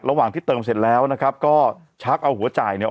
ระหว่างที่เติมเสร็จแล้วนะครับก็ชักเอาหัวจ่ายเนี่ย